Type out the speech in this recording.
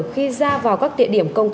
khi ra vào các địa điểm công tác